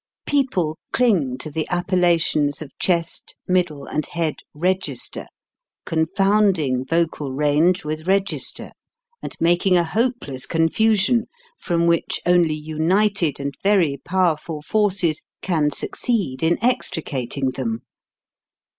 People cling to the appella tions of chest, middle, and head register, con founding vocal range with register, and mak ing a hopeless confusion, from which only united and very powerful forces can succeed in extricating them.